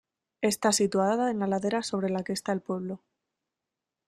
Está situada en la ladera sobre la que está el pueblo.